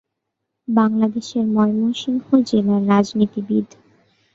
বাংলাদেশের ময়মনসিংহ জেলার রাজনীতিবিদ।